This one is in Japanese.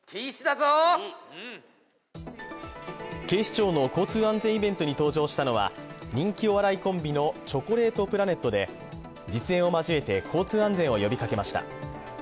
警視庁の交通安全イベントに登場したのは人気お笑いコンビのチョコレートプラネットで、実演を交えて、交通安全を呼びかけました。